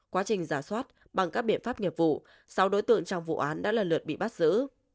quá trình giả soát bằng các biện pháp nghiệp vụ sáu đối tượng trong vụ án đã lần lượt bị bắt giữ